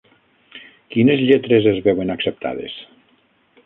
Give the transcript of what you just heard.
Quines lletres es veuen acceptades?